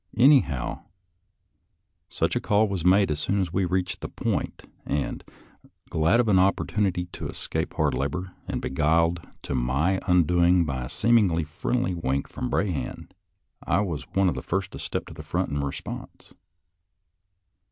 Anyhow, such a call was made as soon as we reached the Point, and, glad of an opportunity to escape hard labor, and beguiled to my undoing by a seemingly friendly wink from Brahan, I was one of the first to step to the front in response.